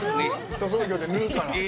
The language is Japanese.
塗装業で塗るから。